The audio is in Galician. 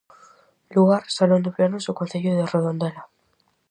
Lugar: Salón de Plenos do Concello de Redondela.